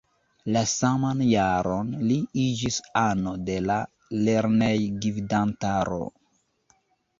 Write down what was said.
La saman jaron li iĝis ano de la lernejgvidantaro.